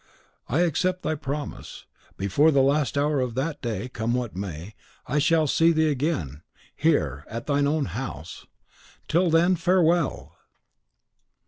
I accept thy promise. Before the last hour of that day, come what may, I shall see thee again, HERE, at thine own house. Till then, farewell!"